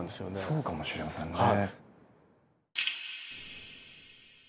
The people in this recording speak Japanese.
そうかもしれませんね。